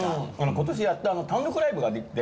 今年やっと単独ライブができて。